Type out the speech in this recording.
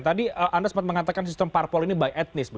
tadi anda sempat mengatakan sistem parpol ini by etnis